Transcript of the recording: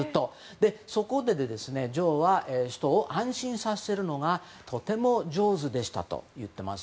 そこで、女王は人を安心させるのがとても上手でしたと言ってます。